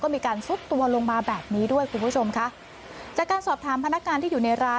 มีการซุดตัวลงมาแบบนี้ด้วยคุณผู้ชมค่ะจากการสอบถามพนักงานที่อยู่ในร้าน